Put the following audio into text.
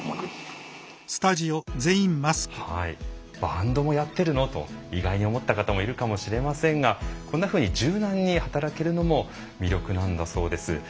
「バンドもやってるの？」と意外に思った方もいるかもしれませんがこんなふうに柔軟に働けるのも魅力なんだそうです。